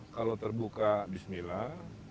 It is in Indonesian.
kalau terbuka bismillah